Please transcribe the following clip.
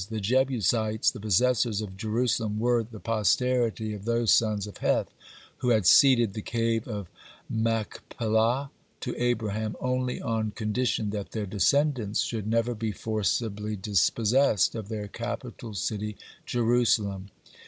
The Jebusites, the possessors of Jerusalem, were the posterity of those sons of Heth who had ceded the Cave of Machpelah to Abraham only on condition that their descendants should never be forcibly dispossessed of their capital city Jerusalem.